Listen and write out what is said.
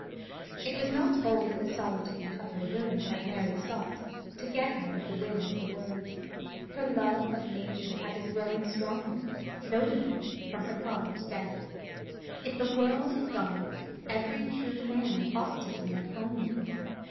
It was not always the solitude of her room that Mary sought to get out of the wind of the world. Her love of nature had been growing stronger, notably, from her father's death. If the world is God's, every true man ought to feel at home in it.